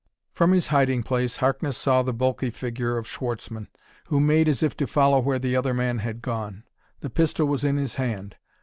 From his hiding place Harkness saw the bulky figure of Schwartzmann, who made as if to follow where the other man had gone. The pistol was in his hand.